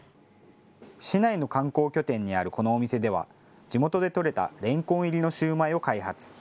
市内の観光拠点にあるこのお店では地元で取れたレンコン入りのシューマイを開発。